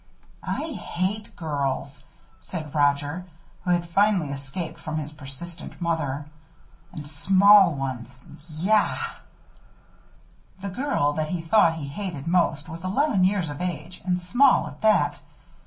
"I hate girls," said Roger, who had finally escaped from his persistent mother. "And small ones Yah!" The girl that he thought he hated most was eleven years of age, and small at that.